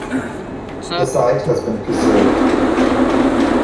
The site has been preserved.